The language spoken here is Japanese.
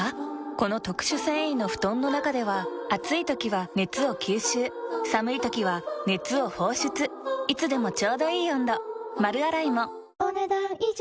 この特殊繊維の布団の中では暑い時は熱を吸収寒い時は熱を放出いつでもちょうどいい温度丸洗いもお、ねだん以上。